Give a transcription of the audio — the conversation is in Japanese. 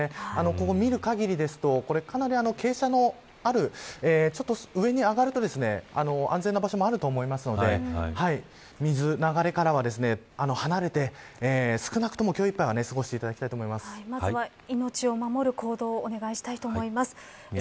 ここを見る限りですとかなり傾斜のあるちょっと上に上がると安全な場所もあると思いますので水の流れからは離れて少なくとも今日いっぱいは過ごしていただきたいとまずは命を守る行動をお願いしたいと思います。